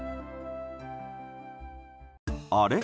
あれ？